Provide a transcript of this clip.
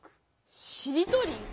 しりとり？